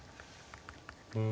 うん。